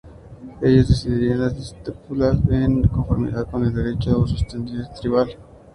Ellos decidirían las disputas en conformidad con el derecho consuetudinario tribal.